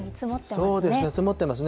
そうですね、積もってますね。